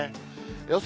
予想